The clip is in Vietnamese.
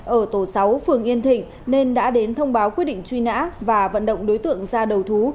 ở tổ sáu phường yên thịnh nên đã đến thông báo quyết định truy nã và vận động đối tượng ra đầu thú